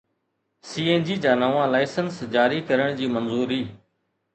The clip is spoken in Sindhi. سي اين جي جا نوان لائسنس جاري ڪرڻ جي منظوري